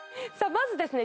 まずですね